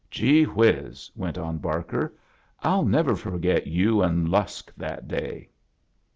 "Gee whiz!" went on Barker, "I'll never forget yoa and Lusk that day!"